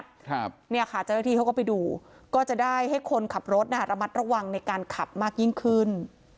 เจ้าหน้าที่เขาก็ไปดูก็จะได้ให้คนขับรถระมัดระวังในการขับมากยิ่งขึ้น